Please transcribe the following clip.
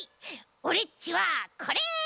オレっちはこれ。